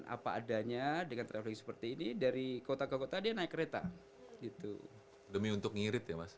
apa adanya dengan teknologi seperti ini dari kota ke kota dia naik kereta gitu demi untuk ngirit ya mas